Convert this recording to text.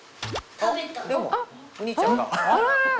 あっでもお兄ちゃんが。